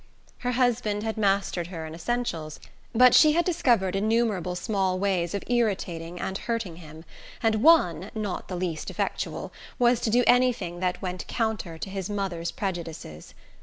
Her husband had mastered her in essentials, but she had discovered innumerable small ways of irritating and hurting him, and one and not the least effectual was to do anything that went counter to his mother's prejudices.